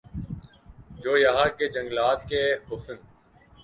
جو یہاں کے جنگلات کےحسن